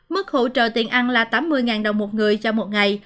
mức hỗ trợ tiền ăn là tám mươi đồng một người cho một ngày